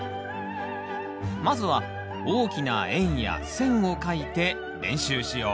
まずは大きな円や線をかいて練習しよう。